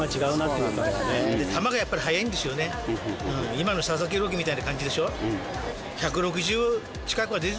今の佐々木朗希みたいな感じでしょ？